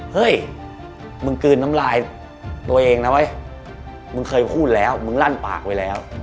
เฮ้ยมึงกลืนน้ำลายตัวเองนะเว้ยมึงเคยพูดแล้วมึงลั่นปากไว้แล้ว